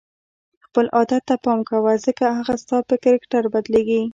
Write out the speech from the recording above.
خپل عادت ته پام کوه ځکه هغه ستا په کرکټر بدلیږي.